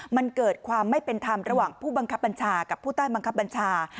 มันเกิดความไม่เป็นธรรมระหว่างผู้บังคับบัญชากับผู้ใต้บังคับบัญชา